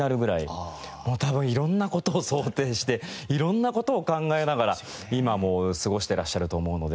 もう多分いろんな事を想定していろんな事を考えながら今も過ごしてらっしゃると思うので。